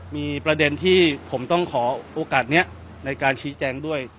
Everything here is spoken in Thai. มีประเด็นที่ผมต้องขอโอกาสนี้ในการชี้แจงด้วย